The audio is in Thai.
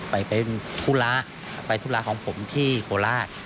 ไปธุระไปธุระของผมที่โคราช